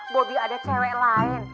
bobby ada perempuan lainnya ya